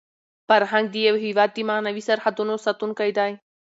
فرهنګ د یو هېواد د معنوي سرحدونو ساتونکی دی.